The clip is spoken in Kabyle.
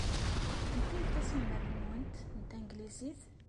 Anta ay d taselmadt-nwen n tanglizit?